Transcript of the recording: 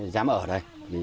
dám ở đây